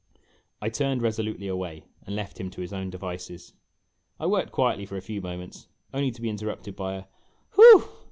I turned resolutely away and left him to his own devices. I worked quietly for a few moments, only to be interrupted by a "Whew!"